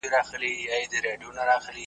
چي سړی به یې شعر نه سي بللای .